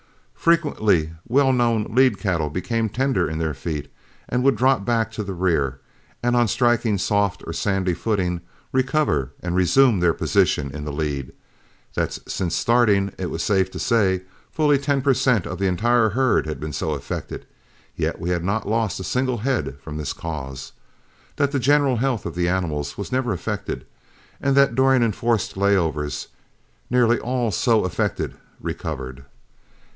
Frequently well known lead cattle became tender in their feet and would drop back to the rear, and on striking soft or sandy footing recover and resume their position in the lead; that since starting, it was safe to say, fully ten per cent of the entire herd had been so affected, yet we had not lost a single head from this cause; that the general health of the animal was never affected, and that during enforced layovers nearly all so affected recovered.